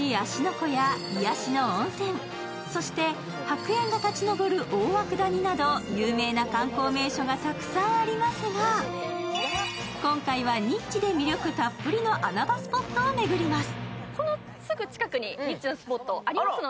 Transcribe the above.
湖や癒やしの温泉、そして白煙が立ち上る大涌谷など有名な観光名所がたくさんありますが、今回はニッチで魅力たっぷりの穴場スポットを巡ります。